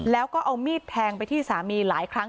แล้วก็เอามีดแทงไปที่สามีหลายครั้ง